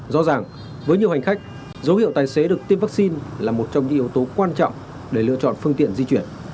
rõ ràng với nhiều hành khách dấu hiệu tài xế được tiêm vaccine là một trong những yếu tố quan trọng để lựa chọn phương tiện di chuyển